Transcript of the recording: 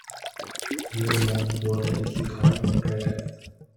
Veolia Water is the current operator.